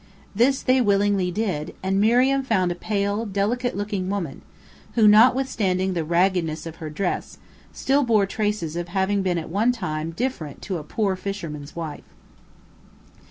This they willingly did, and Miriam found a pale, delicate looking woman, who, notwithstanding the raggedness of her dress, still bore traces of having been at one time different to a poor fisherman's wife.